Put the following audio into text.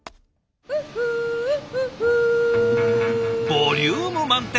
ボリューム満点